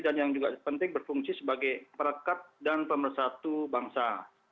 sepenting berfungsi sebagai perekat dan pemersatu bangsa